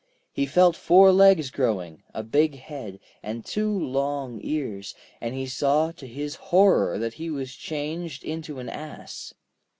He felt four legs growing, a big head, and two long ears, and he saw to his horror that he was changed into an ass.